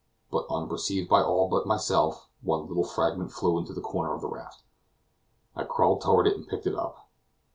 But, unperceived by all but myself, one little fragment flew into a corner of the raft. I crawled toward it and picked it up.